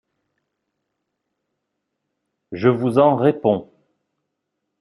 Je vous en réponds !…